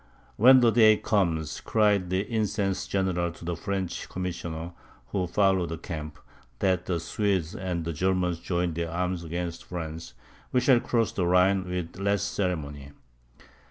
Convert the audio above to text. "When the day comes," cried the incensed General to the French Commissioner, who followed the camp, "that the Swedes and Germans join their arms against France, we shall cross the Rhine with less ceremony."